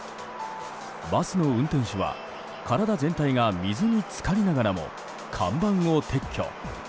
バスの運転手は体全体が水に浸かりながらも看板を撤去。